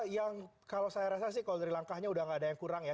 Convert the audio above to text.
yang kalau saya rasa sih kalau dari langkahnya udah gak ada yang kurang ya